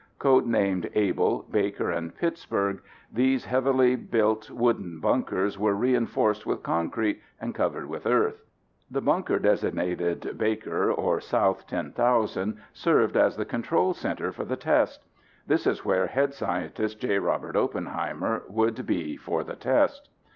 Code named Able, Baker, and Pittsburgh, these heavily built wooden bunkers were reinforced with concrete, and covered with earth. The bunker designated Baker or South 10,000 served as the control center for the test. This is where head scientist J. Robert Oppenheimer would be for the test.